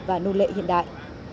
và nô lệ hiện đại